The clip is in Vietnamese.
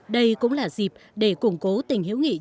đây cũng là dịp để củng cố tình hiểu nghị